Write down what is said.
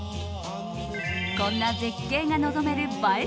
こんな絶景が望める映え